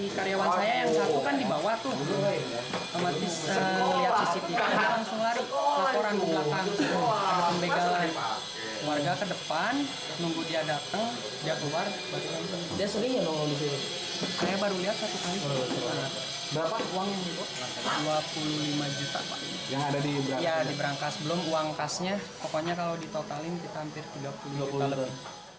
pelaku yang berangkas berangkasnya pokoknya kalau ditotalin kita hampir tiga puluh juta lebih